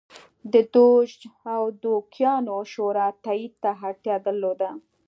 د دوج او دوکیانو شورا تایید ته اړتیا درلوده